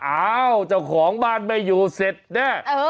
อ้าวเจ้าของบ้านไม่อยู่เศษนี่เออ